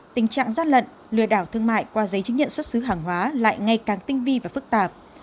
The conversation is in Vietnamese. tình trạng gian lận lừa đảo thương mại qua giấy chứng nhận xuất xứ hàng hóa lại ngay càng tinh vi và phức tạp